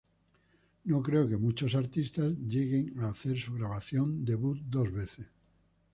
No creo que muchos artistas llegan a hacer su grabación debut dos veces.